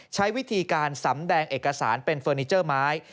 ใช้วิธีการสำแดงเอกสารเป็นเฟอร์นิเจอร์ไม้